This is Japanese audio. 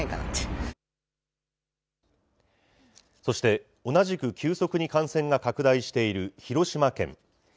そして、同じく急速に感染が拡大している広島県。